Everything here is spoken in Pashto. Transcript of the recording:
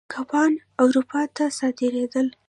کبان اروپا ته صادرېدل.